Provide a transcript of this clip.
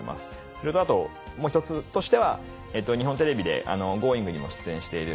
それとあともう１つとしては日本テレビで『Ｇｏｉｎｇ！』にも出演している